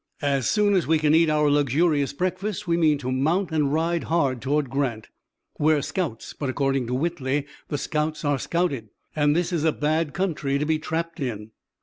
As soon as we can eat our luxurious breakfasts we mean to mount and ride hard toward Grant. We're scouts, but according to Whitley the scouts are scouted, and this is a bad country to be trapped in."